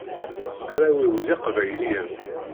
Arraw-iw d iqbayliyen.